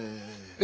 え？